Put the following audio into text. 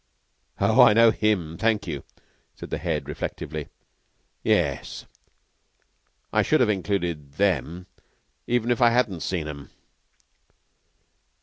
"Oh, I know him, thank you," said the Head, and reflectively. "Ye es, I should have included them even if I hadn't seen 'em."